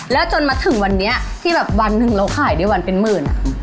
แล้วจนมาถึงวันนี้ที่แบบวันหนึ่งเราขายได้วันเป็นหมื่น